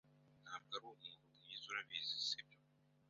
Ntabwo uri umuntu mwiza. Urabizi, sibyo?